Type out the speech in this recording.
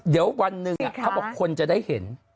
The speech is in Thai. เดี๋ยววันหนึ่งเขาบอกคนจะได้เห็น